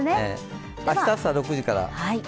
明日朝６時から。